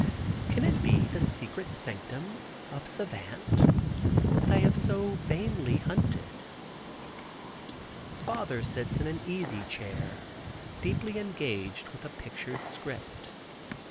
Can it be the secret sanctum of Savant, that I have so vainly hunted? Father sits in an easy chair deeply engaged with a pictured script.